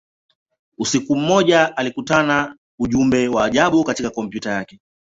Usiku mmoja, alikutana ujumbe wa ajabu katika kompyuta yake.